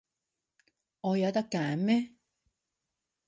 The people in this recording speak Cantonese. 我有得揀咩？